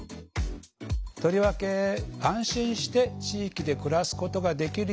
とりわけ安心して地域で暮らすことができるような地域作り